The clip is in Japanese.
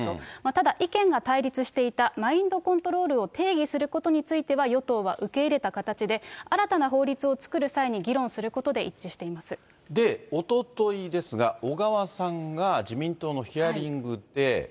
ただ意見が対立していたマインドコントロールを定義することについては与党は受け入れた形で新たな法律を作る際に議論することでおとといですが、小川さんが自民党のヒアリングで。